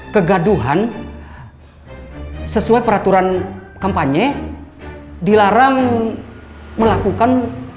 kegaduhan sesuai peraturan kampanye dilarang melakukan